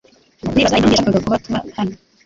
Ndibaza impamvu yashakaga ko tuba hano.